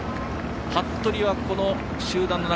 服部は、この集団の中。